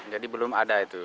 jadi belum ada itu